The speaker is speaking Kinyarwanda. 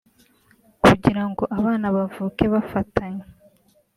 Kugira ngo abana bavuke bafatanye